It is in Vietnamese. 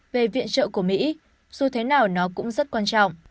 tài trợ của mỹ dù thế nào nó cũng rất quan trọng